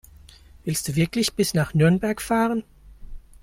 Willst du wirklich bis nach Nürnberg fahren?